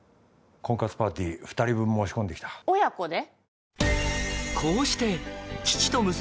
婚活パーティー２人分申し込んできた親子で？